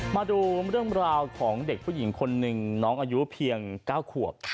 มาดูเรื่องราวของเด็กผู้หญิงคนหนึ่งน้องอายุเพียง๙ขวบ